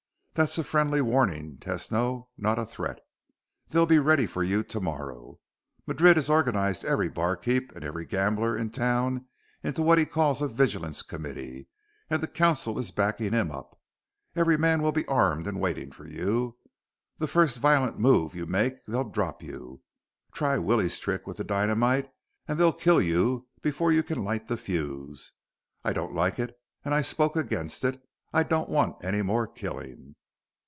That's a friendly warning, Tesno, not a threat. They'll be ready for you tomorrow. Madrid has organized every barkeep and every gambler in town into what he calls a vigilance committee, and the council is backing him up. Every man will be armed and waiting for you. The first violent move you make, they'll drop you. Try Willie's trick with the dynamite, and they'll kill you before you can light the fuse. I don't like it and I spoke against it. I don't want any more killing."